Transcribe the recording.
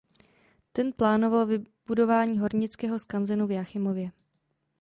Ten plánoval vybudování Hornického skanzenu v Jáchymově.